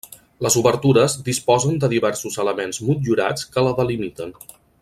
Les obertures disposen de diversos elements motllurats que la delimiten.